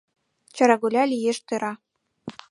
Чараголя лиеш тӧра.